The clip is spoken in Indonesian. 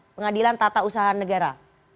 pengadilan tata usaha negara